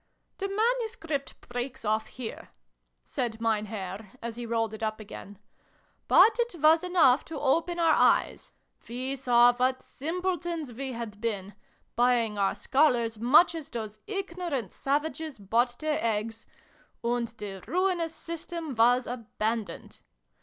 " The manuscript breaks off here," said Mein Herr, as he rolled it up again; "but it was enough to open our eyes. We saw what simpletons we had been buying our Scholars much as those ignorant savages bought their eggs and the ruinous system was abandoned.